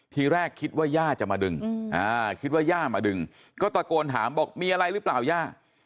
ทีแรกคิดว่าย่าจะมาดึงคิดว่าย่ามาดึงก็ตะโกนถามบอกมีอะไรหรือเปล่าย่า